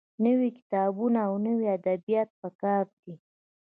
نوي کتابونه او نوي ادبيات پکار دي.